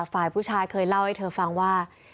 ฝ่ายผู้ชายเคยเล่าให้เธอฟังว่า